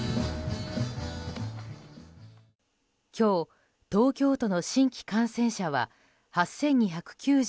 今日、東京都の新規感染者は８２９２人。